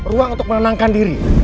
ruang untuk menenangkan diri